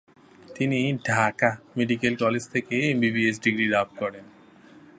তিনি Dhaka medical college থেকে MBBS degree লাভ করেন।